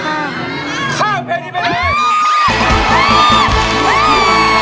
ข้าวเพรดิเพรดิ